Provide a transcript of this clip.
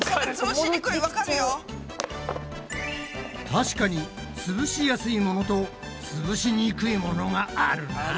確かにつぶしやすいものとつぶしにくいものがあるなぁ。